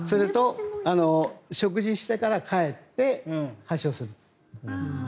食事してから帰って発症すると。